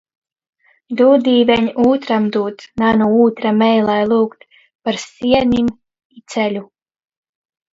Dūd, Dīveņ, ūtram dūt, na nu ūtra meilai lyugt. Par sienim i ceļu.